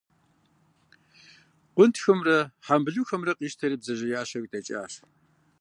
Къунтхымрэ хьэмбылухэмрэ къищтэри, бдзэжьеящэ дэкӏащ.